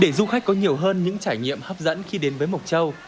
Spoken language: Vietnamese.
để du khách có nhiều hơn những trải nghiệm hấp dẫn khi đến với mộc châu